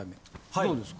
どうですか？